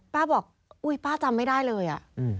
บอกอุ๊ยป้าจำไม่ได้เลยอ่ะ